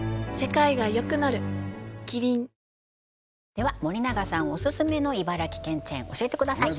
では森永さんオススメの茨城県チェーン教えてください